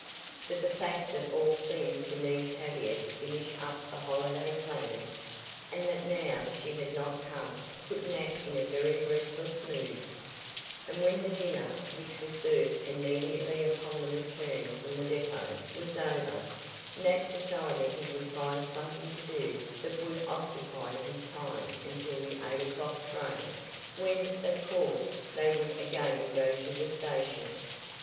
But the fact that all seemed to need Tavia to finish up the holiday plans, and that now she had not come put Nat in a very restless mood, and when the dinner, which was served immediately upon the return from the depot, was over, Nat decided he would find something to do that would occupy his time until the eight o'clock train, when, of course, they would again go to the station.